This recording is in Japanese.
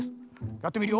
やってみるよ。